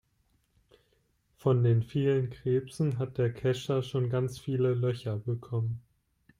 Von den vielen Krebsen hat der Kescher schon ganz viele Löcher bekommen.